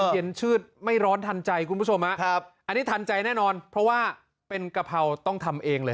เย็นชืดไม่ร้อนทันใจคุณผู้ชมฮะอันนี้ทันใจแน่นอนเพราะว่าเป็นกะเพราต้องทำเองเลย